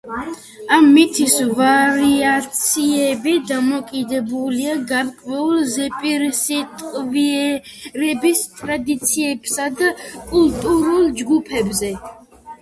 ამ მითის ვარიაციები დამოკიდებულია გარკვეულ ზეპირსიტყვიერების ტრადიციებსა და კულტურულ ჯგუფებზე.